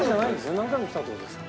何回も来たって事ですか？